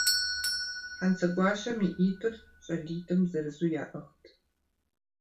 Хьэнцэгуащэм и «ӏитӏыр» щӏалитӏым зырызу яӏыгът.